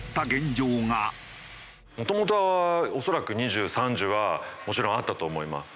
もともとは恐らく２０３０はもちろんあったと思います。